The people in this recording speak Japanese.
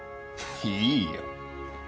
いいよ。